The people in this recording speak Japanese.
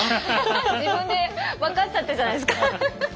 自分で分かっちゃったじゃないですか。